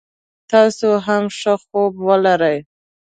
تاسو هم ښه خوب ولری